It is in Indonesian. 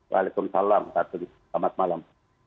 waalaikumsalam kak tuduh selamat malam